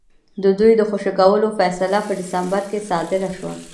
د دوی د خوشي کولو فیصله په ډسمبر کې صادره شوې وه.